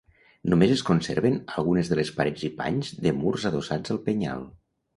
Només es conserven algunes de les parets i panys de murs adossats al penyal.